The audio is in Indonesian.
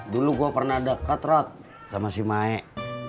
dulu gua pernah deket rod sama si maek